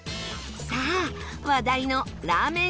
さあ、話題のラーメン